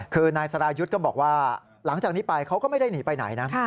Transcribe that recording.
คือนายสรายุทธ์ก็บอกว่าหลังจากนี้ไปเขาก็ไม่ได้หนีไปไหนนะ